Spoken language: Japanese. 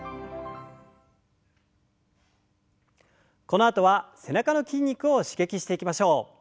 このあとは背中の筋肉を刺激していきましょう。